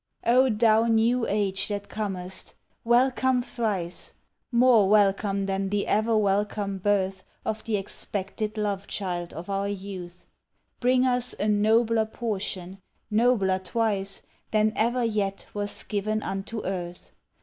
O thou New Age that comest! welcome thrice More welcome than the ever welcome birth Of the expected love child of our youth! Bring us a nobler portion nobler twice Than ever yet was given unto earth!